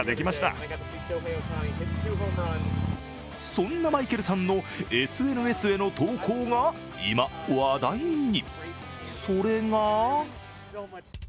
そんなマイケルさんのＳＮＳへの投稿が今、話題に。